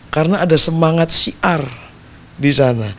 karena ada semangat siar di sana